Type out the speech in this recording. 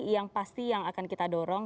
yang pasti yang akan kita dorong